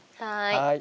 はい。